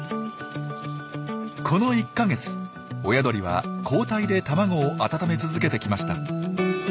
この１か月親鳥は交代で卵を温め続けてきました。